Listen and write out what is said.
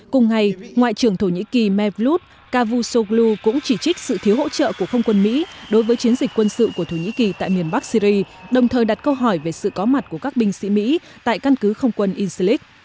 cùng ngày ngoại trưởng thổ nhĩ kỳ mevlut kavusoglu cũng chỉ trích sự thiếu hỗ trợ của không quân mỹ đối với chiến dịch quân sự của thổ nhĩ kỳ tại miền bắc syri đồng thời đặt câu hỏi về sự có mặt của các binh sĩ mỹ tại căn cứ không quân incleak